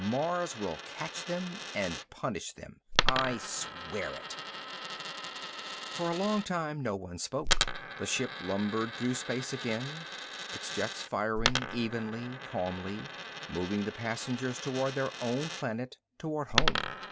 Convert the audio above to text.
Mars will catch them and punish them! I swear it!" For a long time no one spoke. The ship lumbered through space again, its jets firing evenly, calmly, moving the passengers toward their own planet, toward home.